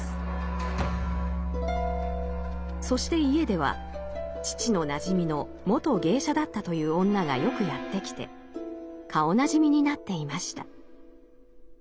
そして家では父のなじみの元芸者だったという女がよくやって来て顔なじみになっていました。